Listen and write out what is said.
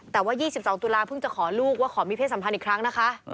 แต่ว่า๒๒ตุลาเพิ่งจะขอลูกว่าขอมีเพศสัมพันธ์อีกครั้งนะคะ